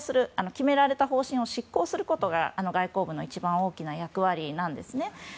決められた方針が執行することが外交部の一番大きな役割なんですね。